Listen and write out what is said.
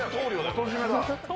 元締めだ。